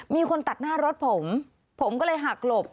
มีคนตัดหน้ารถผมผมก็เลยหักหลบ